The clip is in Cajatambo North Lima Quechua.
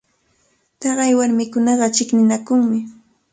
Taqay warmikunaqa chiqninakunmi.